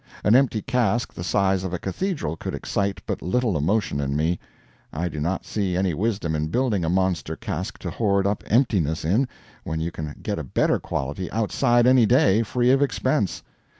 An empty cask the size of a cathedral could excite but little emotion in me. I do not see any wisdom in building a monster cask to hoard up emptiness in, when you can get a better quality, outside, any day, free of expense.